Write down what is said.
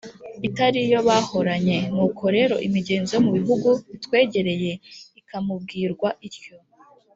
itariyo bahoranye!” nuko rero imigenzo yo mu bihugu bitwegereye ikamubwirwa ityo